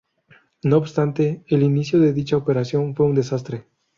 No obstante, el inicio de dicha operación fue un desastre.